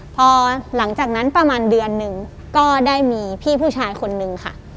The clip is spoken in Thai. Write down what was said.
พอหลังจากนั้นประมาณเดือนหนึ่งก็ได้มีพี่ผู้ชายคนนึงค่ะ